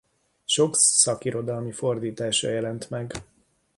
Sok szakirodalmi fordítása jelent meg.